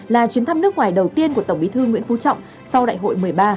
là chuyến thăm nước ngoài đầu tiên của tổng bí thư nguyễn phú trọng sau đại hội một mươi ba